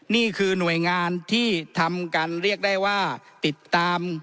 นี่คือหน่วยงานที่ทำกันเรียกได้ว่าติดตาม